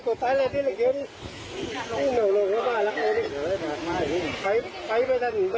ก็ไม่ทำแบบนี้ต้องคิดมานานแล้ว